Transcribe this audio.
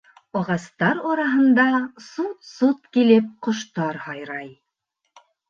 Ағастар арыһында сут-сут килеп ҡоштар һайрай.